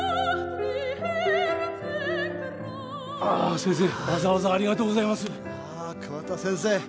ああ先生